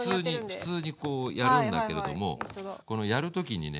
普通にこうやるんだけれどもこのやる時にね